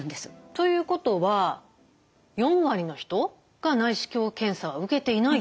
ということは４割の人が内視鏡検査は受けていないっていうことなんですね。